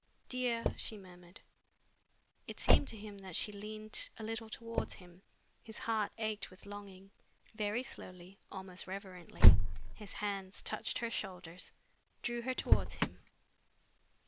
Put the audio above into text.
"Dear!" she murmured. It seemed to him that she leaned a little towards him. His heart ached with longing. Very slowly, almost reverently, his hands touched her shoulders, drew her towards him.